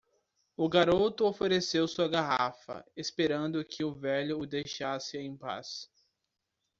O garoto ofereceu sua garrafa, esperando que o velho o deixasse em paz.